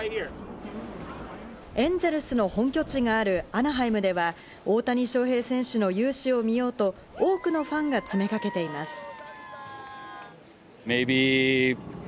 エンゼルスの本拠地があるアナハイムでは、大谷翔平選手の勇姿を見ようと多くのファンが詰めかけています。